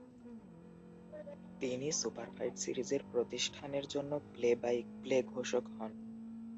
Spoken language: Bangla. তিনি সুপারফাইট সিরিজের প্রতিষ্ঠানের জন্য প্লে-বাই-প্লে ঘোষক হন।